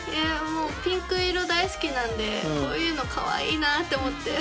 ピンク色大好きなんでこういうのかわいいなって思って。